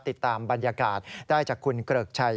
ติดตามบรรยากาศได้จากคุณเกริกชัย